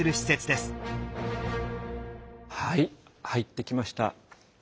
はい入ってきました。